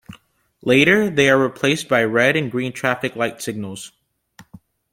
Later they are replaced by red and green traffic-light signals.